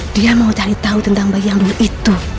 dia mau cari tahu tentang bayi yang dulu itu